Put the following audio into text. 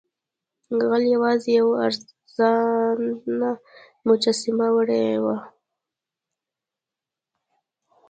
غل یوازې یوه ارزانه مجسمه وړې وه.